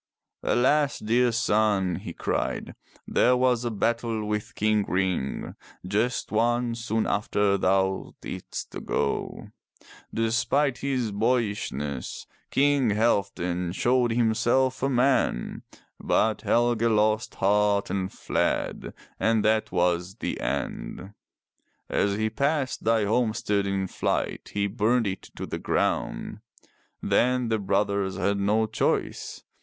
Alas, dear son!'' he cried. There was a battle with King Ring, just one, soon after thou didst go. Despite his boyishness. King Halfdan showed himself a man, but Helge lost heart and fled, and that was the end. As he passed thy homestead in flight he burned it to the ground. Then the brothers had no choice.